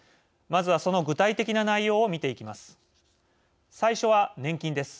まずはその具体的な内容を見ていきます。